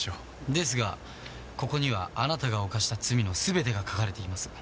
ですがここにはあなたが犯した罪の全てが書かれています。